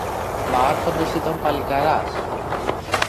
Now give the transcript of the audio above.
Μα ο Άρχοντας ήταν παλικαράς.